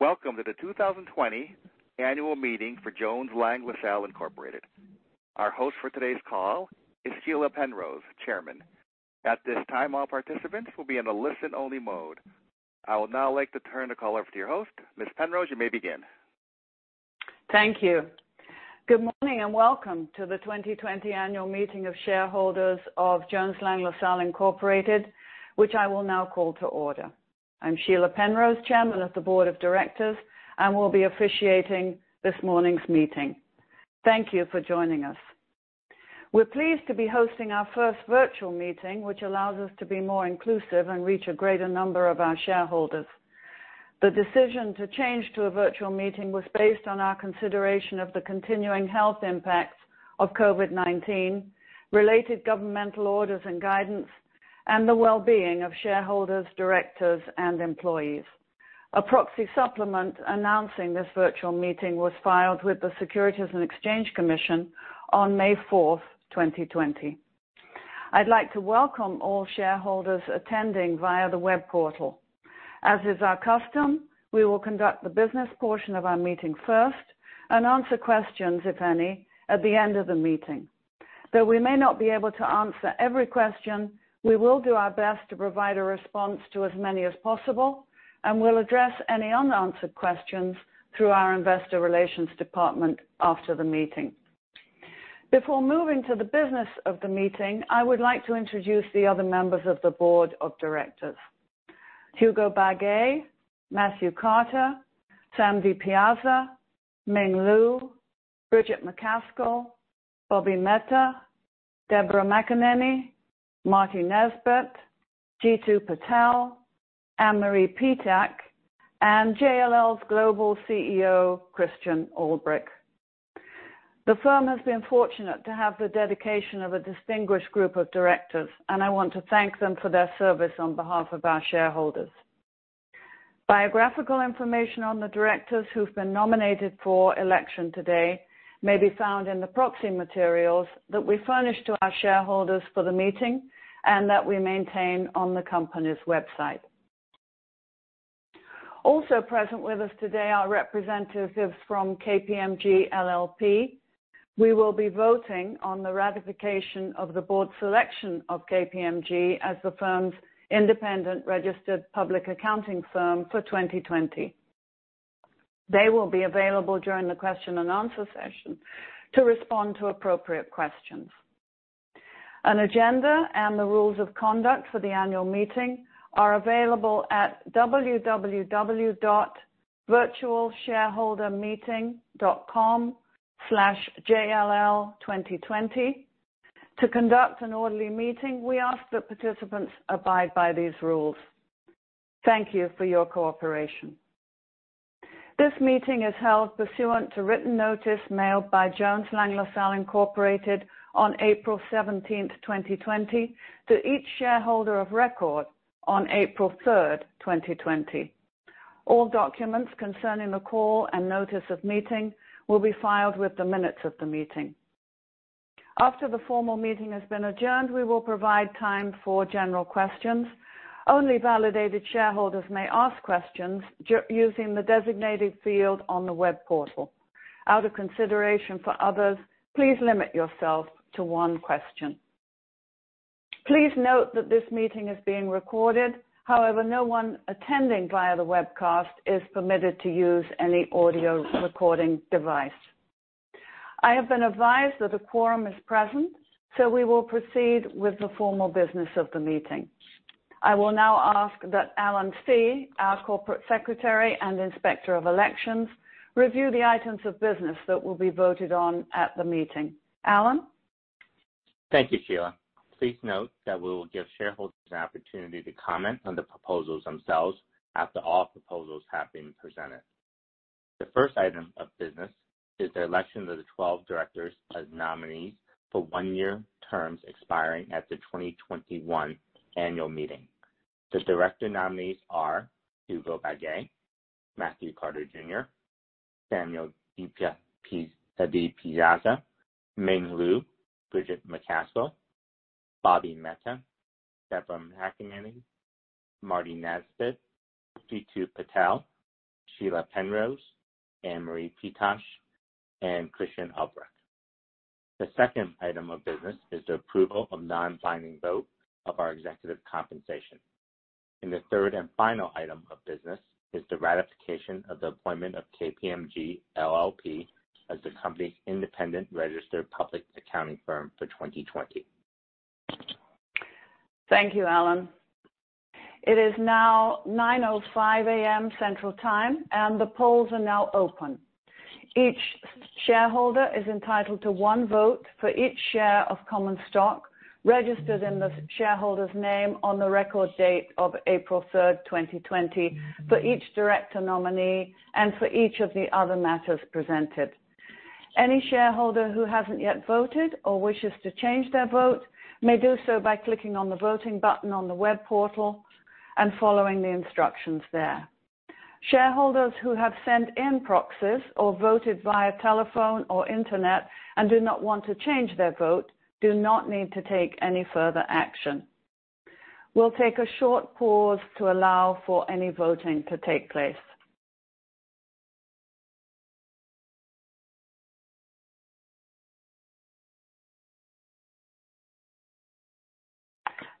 Welcome to the 2020 annual meeting for Jones Lang LaSalle Incorporated. Our host for today's call is Sheila Penrose, Chairman. At this time, all participants will be in a listen-only mode. I would now like to turn the call over to your host. Ms. Penrose, you may begin. Thank you. Good morning, welcome to the 2020 annual meeting of shareholders of Jones Lang LaSalle Incorporated, which I will now call to order. I'm Sheila Penrose, Chairman of the Board of Directors, and will be officiating this morning's meeting. Thank you for joining us. We're pleased to be hosting our first virtual meeting, which allows us to be more inclusive and reach a greater number of our shareholders. The decision to change to a virtual meeting was based on our consideration of the continuing health impacts of COVID-19, related governmental orders and guidance, and the well-being of shareholders, directors, and employees. A proxy supplement announcing this virtual meeting was filed with the Securities and Exchange Commission on May 4th, 2020. I'd like to welcome all shareholders attending via the web portal. As is our custom, we will conduct the business portion of our meeting first and answer questions, if any, at the end of the meeting. Though we may not be able to answer every question, we will do our best to provide a response to as many as possible, and we'll address any unanswered questions through our investor relations department after the meeting. Before moving to the business of the meeting, I would like to introduce the other members of the Board of Directors. Hugo Bagué, Matthew Carter, Sam DiPiazza, Ming Lu, Bridget Macaskill, Bobby Mehta, Deborah McAneny, Marty Nesbitt, Jitu Patel, Ann Marie Petach, and JLL's Global CEO, Christian Ulbrich. The firm has been fortunate to have the dedication of a distinguished group of directors, and I want to thank them for their service on behalf of our shareholders. Biographical information on the directors who've been nominated for election today may be found in the proxy materials that we furnish to our shareholders for the meeting and that we maintain on the company's website. Also present with us today are representatives from KPMG LLP. We will be voting on the ratification of the board's selection of KPMG as the firm's independent registered public accounting firm for 2020. They will be available during the question-and-answer session to respond to appropriate questions. An agenda and the rules of conduct for the annual meeting are available at www.virtualshareholdermeeting.com/jll2020. To conduct an orderly meeting, we ask that participants abide by these rules. Thank you for your cooperation. This meeting is held pursuant to written notice mailed by Jones Lang LaSalle Incorporated on April 17th, 2020, to each shareholder of record on April 3rd, 2020. All documents concerning the call and notice of meeting will be filed with the minutes of the meeting. After the formal meeting has been adjourned, we will provide time for general questions. Only validated shareholders may ask questions using the designated field on the web portal. Out of consideration for others, please limit yourself to one question. Please note that this meeting is being recorded. However, no one attending via the webcast is permitted to use any audio recording device. I have been advised that a quorum is present, so we will proceed with the formal business of the meeting. I will now ask that Alan Tse, our Corporate Secretary and Inspector of Elections, review the items of business that will be voted on at the meeting. Alan? Thank you, Sheila. Please note that we will give shareholders an opportunity to comment on the proposals themselves after all proposals have been presented. The first item of business is the election of the 12 directors as nominees for one-year terms expiring at the 2021 annual meeting. The director nominees are Hugo Bagué, Matthew Carter, Jr., Samuel DiPiazza, Ming Lu, Bridget Macaskill, Bobby Mehta, Deborah McAneny, Marty Nesbitt, Jitu Patel, Sheila Penrose, Ann Marie Petach, and Christian Ulbrich. The second item of business is the approval of non-binding vote of our executive compensation. The third and final item of business is the ratification of the appointment of KPMG LLP as the company's independent registered public accounting firm for 2020. Thank you, Alan. It is now 9:05 A.M. Central Time, and the polls are now open. Each shareholder is entitled to one vote for each share of common stock registered in the shareholder's name on the record date of April 3rd, 2020, for each director nominee and for each of the other matters presented. Any shareholder who hasn't yet voted or wishes to change their vote may do so by clicking on the voting button on the web portal and following the instructions there. Shareholders who have sent in proxies or voted via telephone or internet and do not want to change their vote do not need to take any further action. We'll take a short pause to allow for any voting to take place.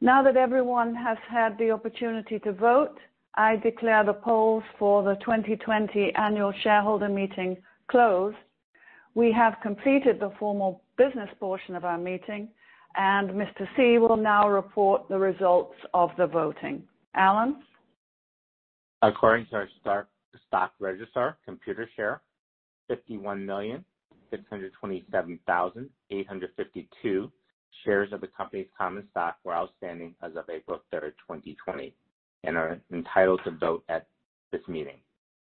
Now that everyone has had the opportunity to vote, I declare the polls for the 2020 annual shareholder meeting closed. We have completed the formal business portion of our meeting. Mr. Tse will now report the results of the voting. Alan? According to our stock registrar, Computershare, 51,627,852 shares of the company's common stock were outstanding as of April 3rd, 2020, and are entitled to vote at this meeting.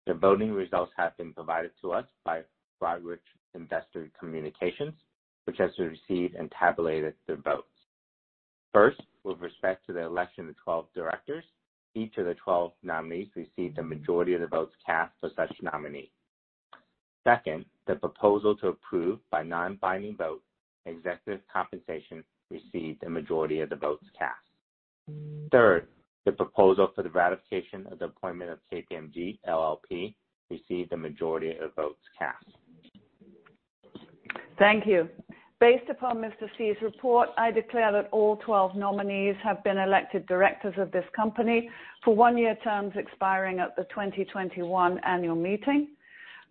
The voting results have been provided to us by Broadridge Investor Communications, which has received and tabulated the votes. First, with respect to the election of 12 directors, each of the 12 nominees received a majority of the votes cast for such nominee. Second, the proposal to approve by non-binding vote executive compensation received a majority of the votes cast. Third, the proposal for the ratification of the appointment of KPMG LLP received a majority of the votes cast. Thank you. Based upon Mr. Tse's report, I declare that all 12 nominees have been elected directors of this company for one-year terms expiring at the 2021 annual meeting.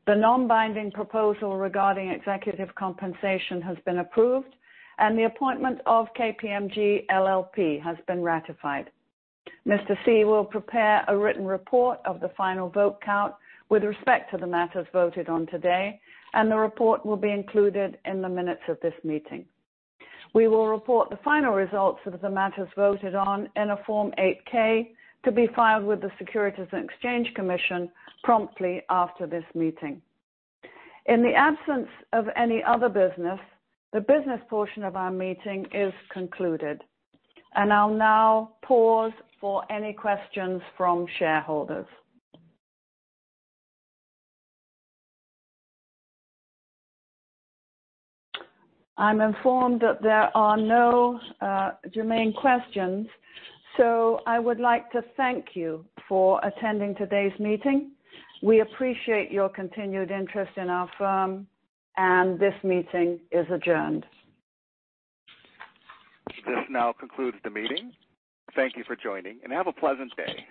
The non-binding proposal regarding executive compensation has been approved, and the appointment of KPMG LLP has been ratified. Mr. Tse will prepare a written report of the final vote count with respect to the matters voted on today, and the report will be included in the minutes of this meeting. We will report the final results of the matters voted on in a Form 8-K to be filed with the Securities and Exchange Commission promptly after this meeting. In the absence of any other business, the business portion of our meeting is concluded. I'll now pause for any questions from shareholders. I'm informed that there are no germane questions. I would like to thank you for attending today's meeting. We appreciate your continued interest in our firm, and this meeting is adjourned. This now concludes the meeting. Thank you for joining and have a pleasant day.